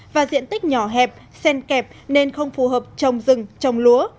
và diện tích nhỏ hẹp sen kẹp nên không phù hợp trồng rừng trồng lúa